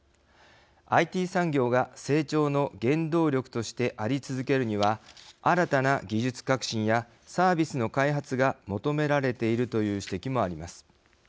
ＩＴ産業が成長の原動力としてあり続けるには新たな技術革新やサービスの開発が求められているという指摘もあります。